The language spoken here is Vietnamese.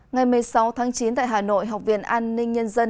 ngày một mươi sáu tháng chín tại hà nội học viện an ninh nhân dân